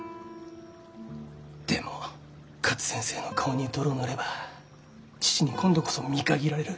でも勝先生の顔に泥を塗れば父に今度こそ見限られる。